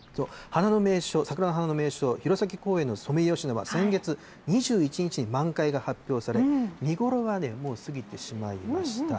花の名所、桜の花の名所、弘前公園のソメイヨシノは先月２１日に満開が発表され、見頃はもう過ぎてしまいました。